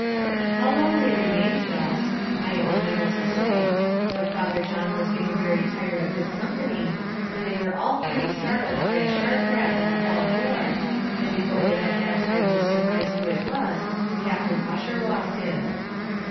How long they remained thus, I am unable to say; but Father John was getting very tired of his company, when they were all three startled by a sharp rap at the hall door, and before they had had time to surmise who it was, Captain Ussher walked in.